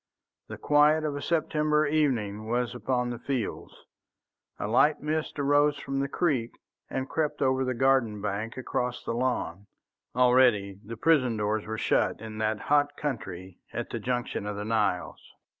The quiet of a September evening was upon the fields, a light mist rose from the creek and crept over the garden bank across the lawn. Already the prison doors were shut in that hot country at the junction of the Niles.